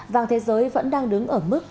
vàng thế giới vẫn đang đứng ở mức